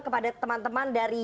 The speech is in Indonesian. kepada teman teman dari